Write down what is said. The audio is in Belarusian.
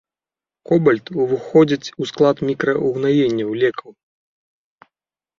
Кобальт уваходзіць у склад мікраўгнаенняў, лекаў.